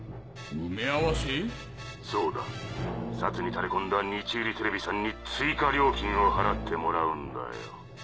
そうだ警察にタレ込んだ日売テレビさんに追加料金を払ってもらうんだよ。